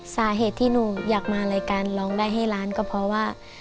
สาเหตุที่หนูอยากมารายการร้องได้ให้ล้านก็เพราะว่า